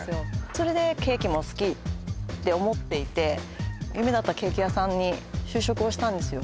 それでケーキも好きって思っていて夢だったケーキ屋さんに就職をしたんですよ